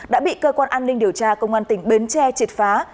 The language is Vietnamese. đã bị cơ quan an ninh điều tra công an tỉnh bến tre triệt phá